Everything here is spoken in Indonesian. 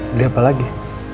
beli apa lagi